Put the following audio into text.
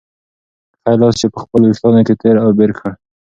ښی لاس یې په خپلو وېښتانو کې تېر او بېر کړ.